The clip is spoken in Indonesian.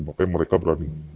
makanya mereka berani